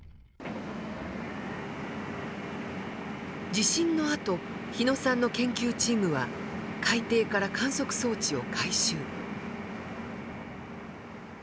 地震のあと日野さんの研究チームは海底から観測装置を回収。